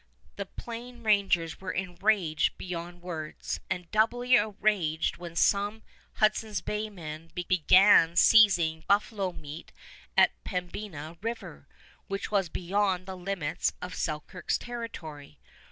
The Plain Rangers were enraged beyond words, and doubly outraged when some Hudson's Bay men began seizing buffalo meat at Pembina River, which was beyond the limits of Selkirk's territory.